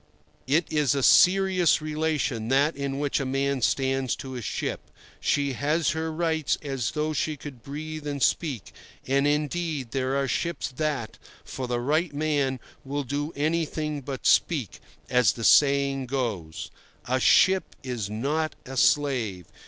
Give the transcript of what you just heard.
It is a serious relation, that in which a man stands to his ship. She has her rights as though she could breathe and speak; and, indeed, there are ships that, for the right man, will do anything but speak, as the saying goes. A ship is not a slave.